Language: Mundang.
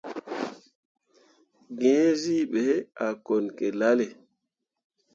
Gǝǝzyii ɓe a kone ki lalle.